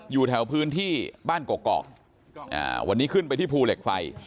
อยู่แถวพื้นที่บ้านกอกวันนี้ขึ้นไปที่ภูเหล็กไฟ